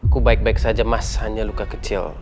ku baik baik saja mas hanya luka kecil